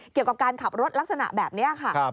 เกี่ยวกับการขับรถลักษณะแบบนี้ค่ะ